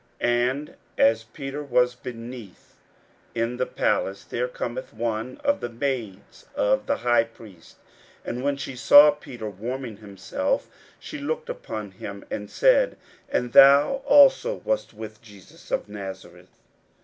41:014:066 And as Peter was beneath in the palace, there cometh one of the maids of the high priest: 41:014:067 And when she saw Peter warming himself, she looked upon him, and said, And thou also wast with Jesus of Nazareth.